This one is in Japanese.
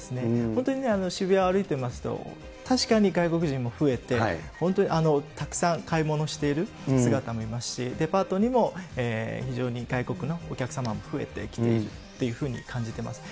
本当にね、渋谷歩いてますと、確かに外国人も増えて、本当にたくさん買い物している姿も見ますし、デパートにも、非常に外国のお客様も増えてきているっていうふうに感じてます。